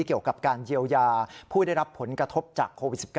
เกี่ยวกับการเยียวยาผู้ได้รับผลกระทบจากโควิด๑๙